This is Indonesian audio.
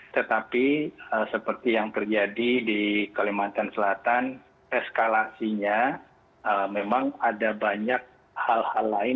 tetapi seperti yang terjadi di kalimantan selatan eskalasinya memang ada banyak hal hal lain